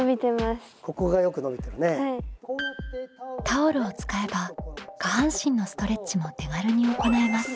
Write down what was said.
タオルを使えば下半身のストレッチも手軽に行えます。